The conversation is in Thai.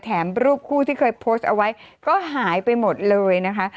รูปคู่ที่เคยโพสต์เอาไว้ก็หายไปหมดเลยนะคะ